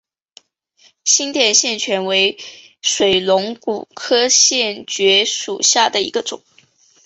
新店线蕨为水龙骨科线蕨属下的一个种。